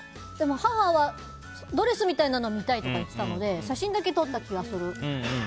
母はドレスみたいなのは見たいとか言ってたので写真だけ撮った気がする。